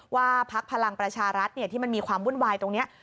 พักพลังประชารัฐที่มันมีความวุ่นวายตรงนี้